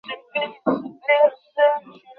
তাহলে সে ওদের কীভাবে হলো?